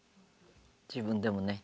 自分でもね。